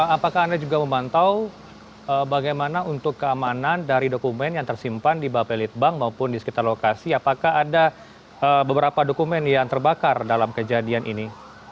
apakah anda juga memantau bagaimana untuk keamanan dari dokumen yang tersimpan di bape litbang maupun di sekitar lokasi apakah ada beberapa dokumen yang terbakar dalam kejadian ini